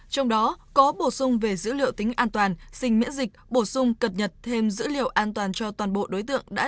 trong đó có bổ sung về dữ liệu tính an toàn sinh miễn dịch bổ sung cập nhật thêm dữ liệu an toàn cho toàn bộ đối tượng